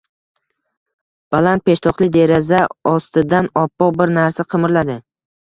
Baland peshtoqli deraza ostidan oppoq bir narsa qimirladi.